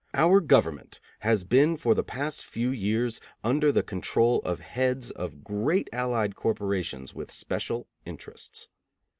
Our government has been for the past few years under the control of heads of great allied corporations with special interests.